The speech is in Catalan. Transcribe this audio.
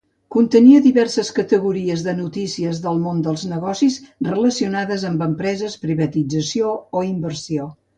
Contenia diverses categories de notícies del món dels negocis relacionades amb empreses, privatització o inversió.